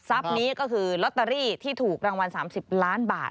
ทรัพย์นี้ก็คือลอตเตอรี่ที่ถูกละ๓๐ล้านบาท